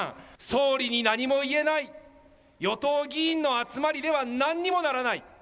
総理に何も言えない与党議員の集まりでは何にもならない。